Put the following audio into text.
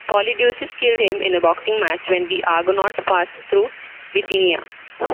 Polydeuces killed him in a boxing match when the Argonauts passed through Bithynia.